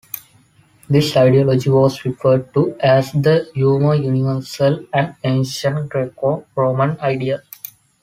This ideology was referred to as the "uomo universale", an ancient Greco-Roman ideal.